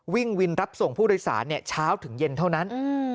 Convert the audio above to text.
วิ่งวินรับส่งผู้โดยสารเช้าถึงเย็นเท่านั้น